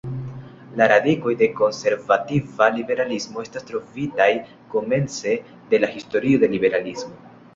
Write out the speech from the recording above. La radikoj de konservativa liberalismo estas trovitaj komence de la historio de liberalismo.